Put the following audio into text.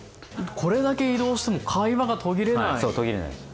これだけ移動しても会話が途切れない。